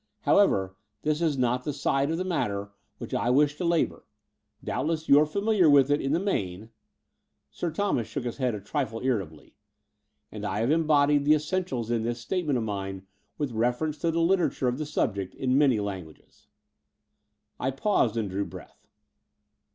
How ever, this is not the side of the matter which I wish • V f Between London and Clymping 191 to labour. Doubtless you are familiar with it in the main" — Sir Thomas shook his head a trifle irritably — "and I have embodied the essentials in this statement of mine with references to the literature of the subject in many languages." I paused and drew breath.